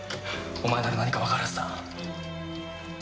お前なら何かわかるはずだ。